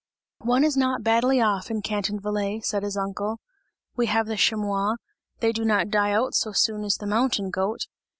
"One is not badly off in Canton Valais," said his uncle, "we have the chamois, they do not die out so soon as the mountain goat!